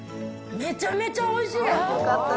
めちゃめちゃおいしい。